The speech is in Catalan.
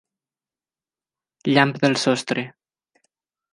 Llamp del sostre.